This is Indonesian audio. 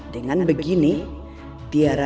dengan begini tiara gak akan menyayangi naila